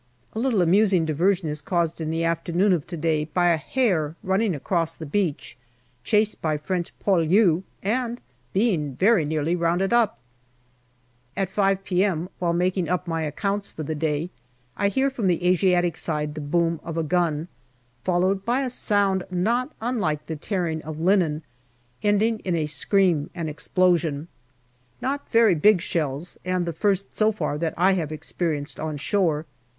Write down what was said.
A little amusing diversion is caused in the afternoon of to day by a hare running across the beach, chased by French " poilus," and being very nearly rounded up. APRIL 49 At 5 p.m. while making up my accounts for the day, I hear from the Asiatic side the boom of a gun, followed by a sound not unlike the tearing of linen, ending in a scream and explosion. Not very big shells, and the first, so far, that I have experienced on shore.